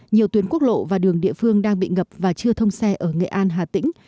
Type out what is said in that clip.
nhiều tuyến quốc lộ và đường địa phương đang bị ngập và chưa thông xe ở nghệ an hà tĩnh